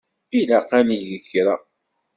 Ilaq ad neg kra.